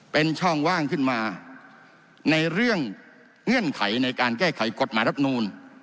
เป็นช่องว่างขึ้นมาในเรื่องเงื่อนไขในการแก้ไขกฎหมายรับนูล